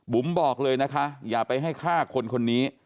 บุ๋มบอกเลยนะฮะอย่าไปให้ฆ่าคนนี้